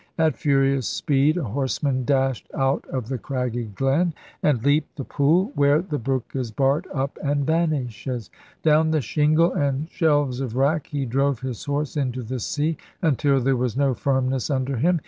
At furious speed a horseman dashed out of the craggy glen, and leaped the pool where the brook is barred up and vanishes. Down the shingle, and shelves of wrack, he drove his horse into the sea, until there was no firmness under him.